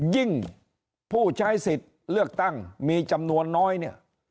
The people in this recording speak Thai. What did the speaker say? ผู้ใช้สิทธิ์เลือกตั้งมีจำนวนน้อยเนี่ย